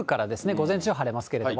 午前中晴れますけれども。